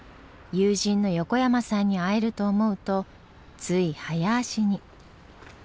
友人の横山さんに会えると思うとつい早足に。